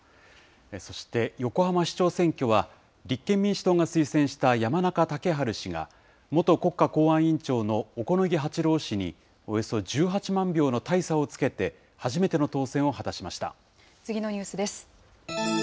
そして、横浜市長選挙は立憲民主党が推薦した山中竹春氏が、元国家公安委員長の小此木八郎氏におよそ１８万票の大差をつけて次のニュースです。